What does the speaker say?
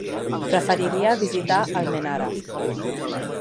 Preferiria visitar Almenara.